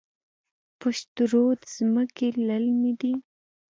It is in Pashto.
پشت رود ځمکې للمي دي؟